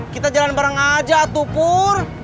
kita jalan bareng aja tuh pur